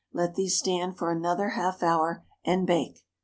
Let these stand for another half hour, and bake.